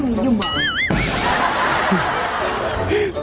มันยี่ยั่งเข้มอยู่สิวะ